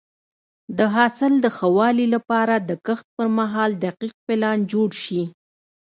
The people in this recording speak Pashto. د حاصل د ښه والي لپاره د کښت پر مهال دقیق پلان جوړ شي.